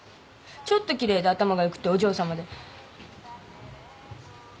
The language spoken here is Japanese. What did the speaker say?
ちょっときれいで頭がよくってお嬢さまで。